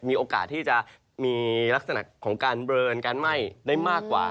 มีโอกาสที่จะมีลักษณะของการเบลอนการไหม้ได้มากกว่า